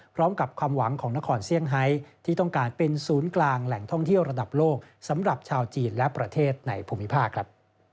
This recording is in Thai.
พร้อมกับความหวังของนครเซี่ยงไฮที่ต้องการเป็นศูนย์กลางแหล่งท่องเที่ยวระดับโลกสำหรับชาวจีนและประเทศในภูมิภาคครับ